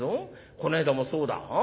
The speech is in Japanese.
この間もそうだ。